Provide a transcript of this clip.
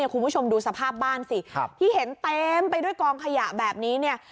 คุณผู้ชมดูสภาพบ้านสิที่เห็นเต็มไปด้วยกองขยะแบบนี้เนี่ย